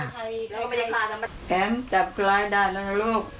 แอมจับคล้ายได้แล้วนะลูก